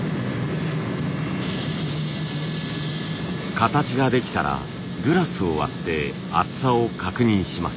形ができたらグラスを割って厚さを確認します。